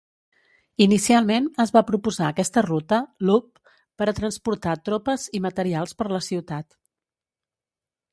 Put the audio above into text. Inicialment es va proposar aquesta ruta (loop) per a transportar tropes i materials per la ciutat.